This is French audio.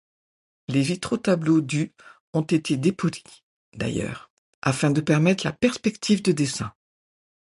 Les vitraux-tableaux du ont été dépolis, d’ailleurs, afin de permettre la perspective de dessin.